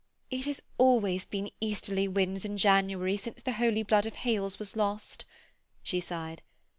'It has always been easterly winds in January since the Holy Blood of Hailes was lost,' she sighed.